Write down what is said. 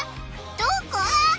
どこ？